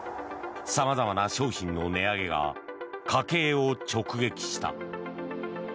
様々な商品の値上げが家計を直撃した。